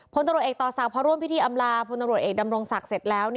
พบต่อสักพบพิธีอำราพบดำรงศักดิ์เสร็จแล้ว